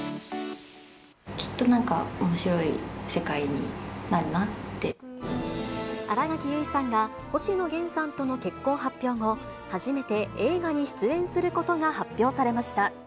きっとなんか、新垣結衣さんが、星野源さんとの結婚発表後、初めて映画に出演することが発表されました。